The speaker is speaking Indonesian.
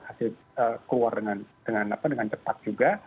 hasil keluar dengan cepat juga